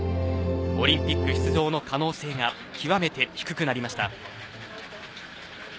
オリンピック出場の可能性が極めて低くなりました。